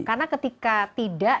karena ketika tidak